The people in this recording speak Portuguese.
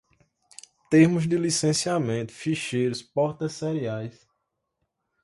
termos de licenciamento, ficheiros, portas seriais